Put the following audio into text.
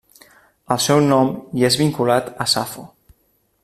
El seu nom hi és vinculat a Safo.